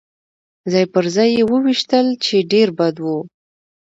ځای پر ځای يې وویشتل، چې ډېر بد و.